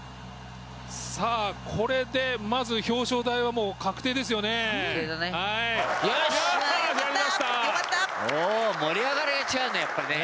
これでまず表彰台はもう確定ですよね。